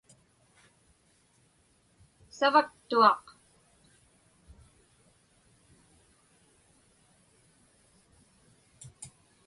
Savaktuaq.